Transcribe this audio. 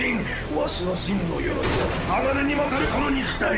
わしの真の鎧は鋼に勝るこの肉体！